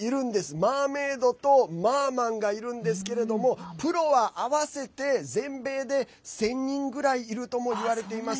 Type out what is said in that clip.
マーメードと、マーマンがいるんですけどプロは、合わせて全米で１０００人ぐらいいるともいわれています。